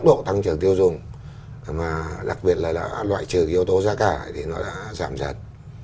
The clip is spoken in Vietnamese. tốc độ tăng trưởng tiêu dùng mà đặc biệt là đã loại trừ yếu tố giá cả thì nó đã giảm dần